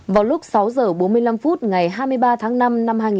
vào lúc sáu giờ bốn mươi năm phút ngày hai mươi ba tháng năm năm hai nghìn một mươi chín